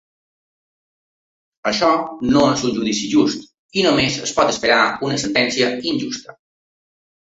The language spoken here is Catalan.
Això no és un judici just i només es pot esperar una sentència injusta.